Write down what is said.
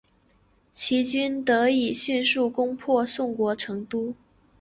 齐军得以迅速攻破宋国都城。